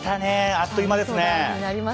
あっという間ですね。